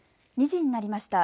２時になりました。